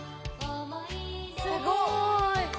すごい。